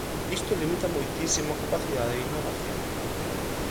Isto limita moitísimo a capacidade de innovación.